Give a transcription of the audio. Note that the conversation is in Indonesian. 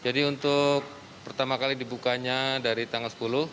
untuk pertama kali dibukanya dari tanggal sepuluh